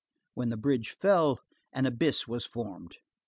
When the bridge fell, an abyss was formed.